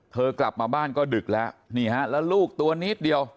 กลับมาบ้านก็ดึกแล้วนี่ฮะแล้วลูกตัวนิดเดียว